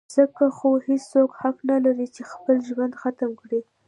ځکه خو هېڅوک حق نه لري چې خپل ژوند ختم کي.